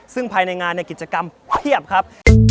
ซึ่งภายในงานในกิจกรรมเพียบครับ